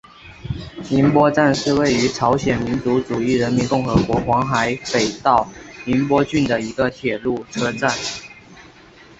银波站是位于朝鲜民主主义人民共和国黄海北道银波郡的一个铁路车站。